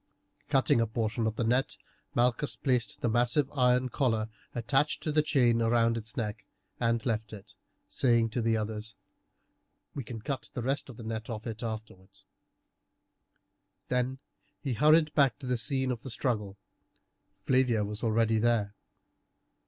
Cutting a portion of the net Malchus placed the massive iron collar attached to the chain round its neck and then left it, saying to the others: "We can cut the rest of the net off it afterwards." He then hurried back to the scene of the struggle. Flavia was already there.